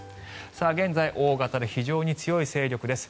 現在大型で非常に強い勢力です。